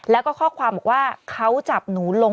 แล้วก็ค่อยบอกว่าเค้าจับหนูลงหลุม